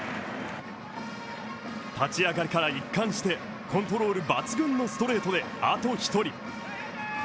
立ち上がりから一貫してコントロール抜群のストレートで、あと１人。